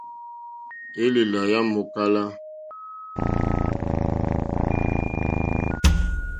Élèlà yá mòkálá.